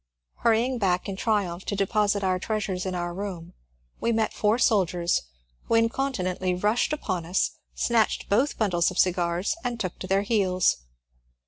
Hurrying back in triumph to deposit our treasures in our room, we met four soldiers, who incontinently rushed upon us, snatched both bundles of cigars and took to their heels.